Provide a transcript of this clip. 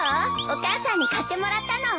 お母さんに買ってもらったの。